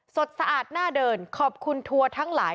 สะอาดหน้าเดินขอบคุณทัวร์ทั้งหลาย